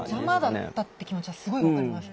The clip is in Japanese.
邪魔だったって気持ちはすごい分かります。